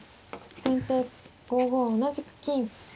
先手５五同じく金。